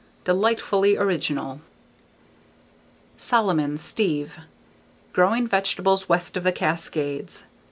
Delightfully original! Solomon, Steve. _Growing Vegetables West of the Cascades.